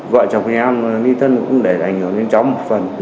vợ chồng em niên thân cũng để đành hiểu đến cháu một phần